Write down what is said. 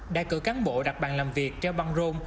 đại cử cán bộ đặt bàn làm việc treo băng rôn